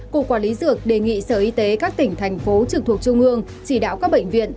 cục quản lý dược đề nghị sở y tế các tỉnh thành phố trực thuộc trung ương chỉ đạo các bệnh viện